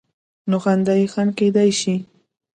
نو خندا یې خنډ کېدای شي.